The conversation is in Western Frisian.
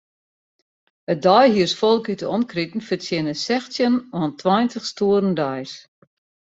It deihiersfolk út 'e omkriten fertsjinne sechstjin oant tweintich stoeren deis.